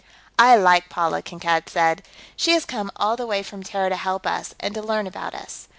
"I like Paula," Kankad said. "She has come all the way from Terra to help us, and to learn about us.